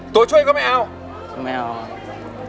ตัวช่วยก็ไม่เอาไม่เอา